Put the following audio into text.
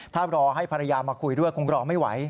ถ้ารอให้ภรรยามาคุยด้วยคงรอไม่ไหว